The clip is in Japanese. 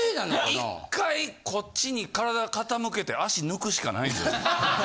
１回こっちに体傾けて脚抜くしかないんですよね。